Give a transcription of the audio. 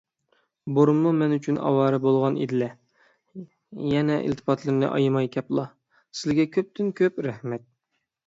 بۇرۇنمۇ مەن ئۈچۈن ئاۋارە بولغان ئىدىلە، يەنە ئىلتىپاتلىرىنى ئايىماي كەپلا. سىلىگە كۆپتىن - كۆپ رەھمەت!